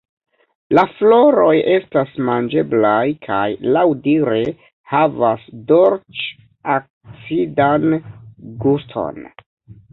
La floroj estas manĝeblaj kaj laŭdire havas dolĉ-acidan guston.